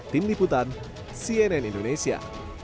tim liputan cnn indonesia